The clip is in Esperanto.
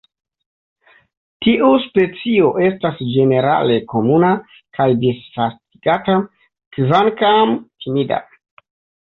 Tiu specio estas ĝenerale komuna kaj disvastigata, kvankam timida.